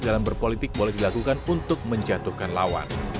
dalam berpolitik boleh dilakukan untuk menjatuhkan lawan